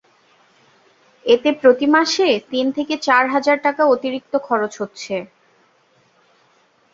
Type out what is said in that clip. এতে প্রতি মাসে তিন থেকে চার হাজার টাকা অতিরিক্ত খরচ হচ্ছে।